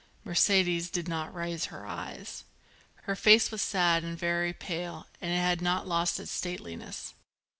Mercedes did not raise her eyes. Her face was sad and very pale and it had not lost its stateliness.